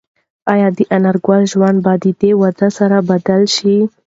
ایا د انارګل ژوند به د دې واده سره بدل شي؟